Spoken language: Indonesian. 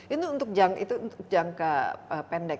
itu untuk jangka pendek